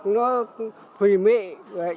nó hủy mệ